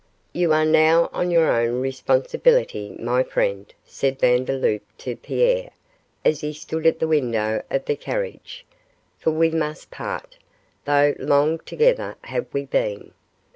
'You are now on your own responsibility, my friend,' said Vandeloup to Pierre, as he stood at the window of the carriage; 'for we must part, though long together have we been.